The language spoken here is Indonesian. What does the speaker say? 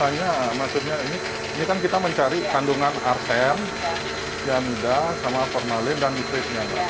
biasanya maksudnya ini kan kita mencari kandungan arsen danida sama formalin dan iklimnya